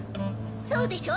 そうでしょ！